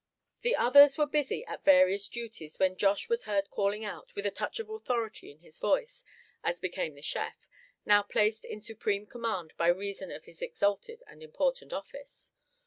The others were busy at various duties when Josh was heard calling out, with a touch of authority in his voice, as became the chef, now placed in supreme command by reason of his exalted and important office.